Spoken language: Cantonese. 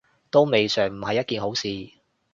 都未嘗唔係一件好事